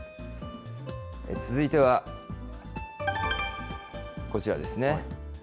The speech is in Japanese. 続いては、こちらですね。